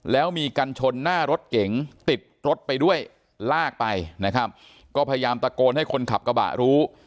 แล้วมีกันชนหน้ารถเก๋งติดรถไปด้วยลากไปนะครับก็พยายามตะโกนให้คนขับกระบะรู้